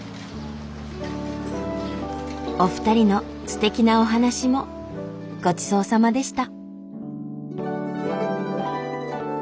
お二人のすてきなお話もごちそうさまでした。